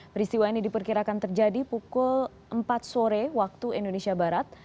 peristiwa ini diperkirakan terjadi pukul empat sore waktu indonesia barat